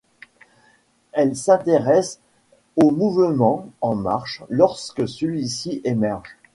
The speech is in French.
Elle s'intéresse au mouvement En marche lorsque celui-ci émerge.